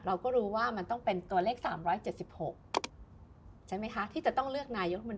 เราก็รู้ว่ามันต้องเป็นตัวเลข๓๗๖